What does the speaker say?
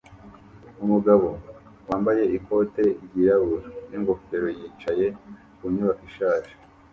Umugabo wambaye ikote ryirabura n'ingofero yicaye ku nyubako ishaje